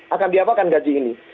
akan diapakan gaji ini